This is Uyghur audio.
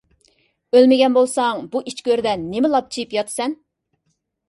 ئۆلمىگەن بولساڭ، بۇ ئىچ گۆردە نېمە لاپچىيىپ ياتىسەن؟